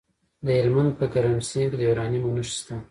د هلمند په ګرمسیر کې د یورانیم نښې شته.